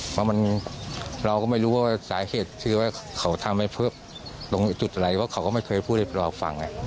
เพราะมันเราก็ไม่รู้ว่าสาเหตุที่ว่าเขาทำไว้เพิ่มตรงจุดอะไรเพราะเขาก็ไม่เคยพูดได้บรอบฟังไง